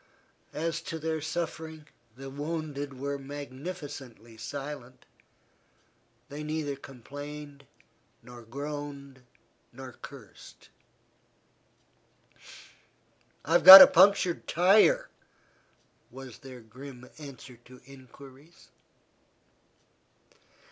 As to their suffering, the wounded were magnificently silent, they neither complained nor groaned nor cursed. "I've got a punctured tire," was their grim answer to inquiries.